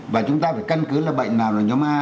và chúng ta phải căn cứ là bệnh nào là nhóm a